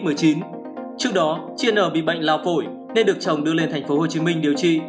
trước đó chị n bị bệnh lao phổi nên được chồng đưa lên tp hcm điều trị